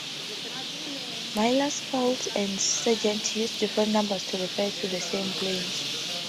Millers Fall and Sargent used different numbers to refer to the same planes.